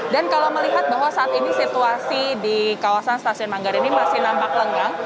dan kalau melihat bahwa saat ini situasi di kawasan stasiun manggare ini masih nampak lengang